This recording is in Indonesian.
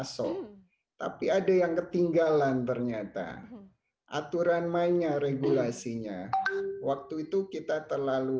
kosong tapi ada yang ketinggalan ternyata aturan mainnya regulasinya waktu itu kita terlalu